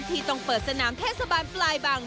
ที่ต้องเปิดสนามเทศบาลปลายบัง